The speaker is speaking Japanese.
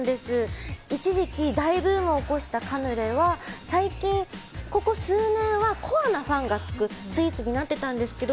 一時期、大ブームを起こしたカヌレは最近、ここ数年はコアなファンがつくスイーツになってたんですけど